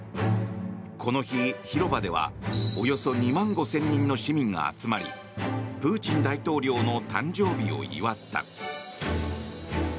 この日、広場ではおよそ２万５０００人の市民が集まりプーチン大統領の誕生日を祝った。